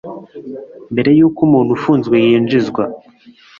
mbere y uko umuntu ufunzwe yinjizwa